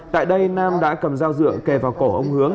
tại đây nam đã cầm dao dựa kề vào cổ ông hướng